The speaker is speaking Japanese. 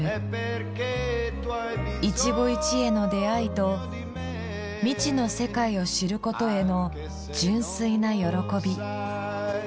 一期一会の出会いと未知の世界を知ることへの純粋な喜び。